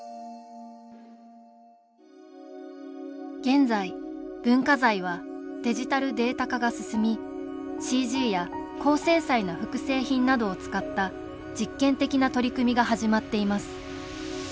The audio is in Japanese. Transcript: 現在、文化財はデジタルデータ化が進みＣＧや高精細な複製品などを使った実験的な取り組みが始まっています